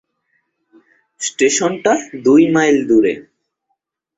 স্টেশনটা দু মাইল দূরে।